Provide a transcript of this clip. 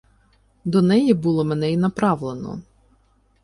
До неї було мене й направлено.